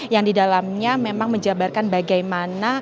yang di dalamnya memang menjabarkan bagaimana